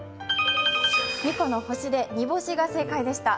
２個の星で、煮干しが正解でした。